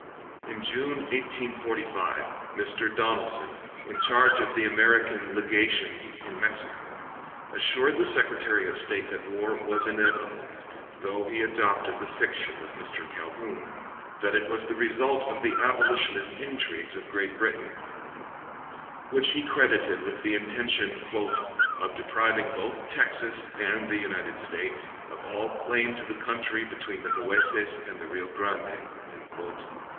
In June, 1845, Mr. Donelson, in charge of the American Legation in Mexico, assured the Secretary of State that war was inevitable, though he adopted the fiction of Mr. Calhoun, that it was the result of the abolitionist intrigues of Great Britain, which he credited with the intention "of depriving both Texas and the United States of all claim to the country between the Nueces and the Rio Grande."